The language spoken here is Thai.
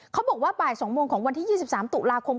เขาบอกว่าบ่าย๒โมงของวันที่๒๓ตุลาคม